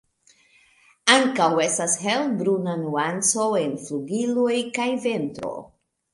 Ankaŭ estas helbruna nuanco en flugiloj kaj ventro.